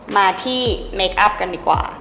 มาที่เมคอัพกันดีกว่า